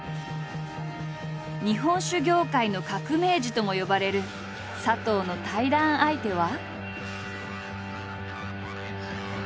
日本酒業界の革命児とも呼ばれる佐藤の対談相手は。